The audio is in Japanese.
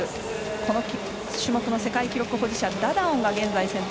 この種目の世界記録保持者ダダオンが先頭。